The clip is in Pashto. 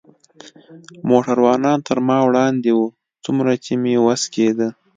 موټروانان تر ما وړاندې و، څومره چې مې وس کېده.